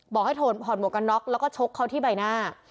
บอกให้ถอดหมวกกันน็อกแล้วก็ชกเขาที่ใบหน้า